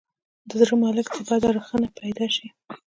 د زړه ملک ته بده رخنه پیدا شي.